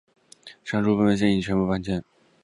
上述部门现已全部搬迁。